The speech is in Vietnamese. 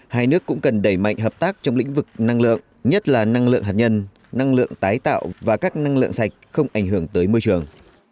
hai nước cũng cần đẩy mạnh hợp tác trong lĩnh vực năng lượng nhất là năng lượng hạt nhân năng lượng tái tạo và các năng lượng sạch không ảnh hưởng tới môi trường